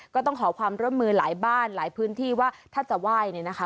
ก็ต้องขอความร่วมมือหลายบ้านหลายพื้นที่ว่าถ้าจะไหว้เนี่ยนะคะ